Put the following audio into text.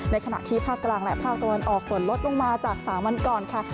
ขณะที่ภาคกลางและภาคตะวันออกฝนลดลงมาจาก๓วันก่อนค่ะ